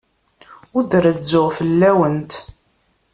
Ur d-rezzuɣ fell-awent.